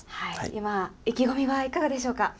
今、意気込みはいかがでしょうか。